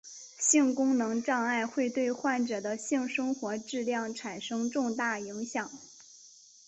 性功能障碍会对患者的性生活质量产生重大影响。